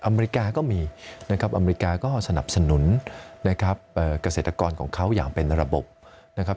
อเมริกาก็มีนะครับอเมริกาก็สนับสนุนนะครับเกษตรกรของเขาอย่างเป็นระบบนะครับ